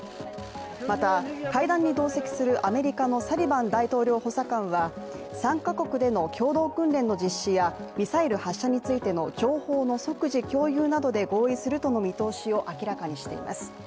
また会談に同席するアメリカのサリバン大統領補佐官は、３か国での共同訓練の実施や、ミサイル発射についての情報の即時共有などで合意するとの見通しを明らかにしています。